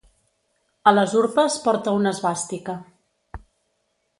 A les urpes porta una esvàstica.